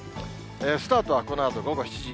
スタートはこのあと午後７時。